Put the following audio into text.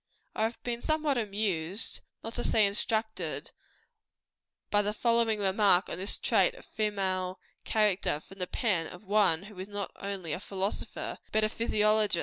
I have been somewhat amused not to say instructed by the following remarks on this trait of female character, from the pen of one who is, not only a philosopher, but a physiologist.